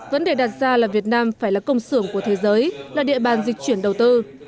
vấn đề đặt ra là việt nam phải là công xưởng của thế giới là địa bàn dịch chuyển đầu tư